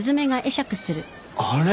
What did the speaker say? あれ？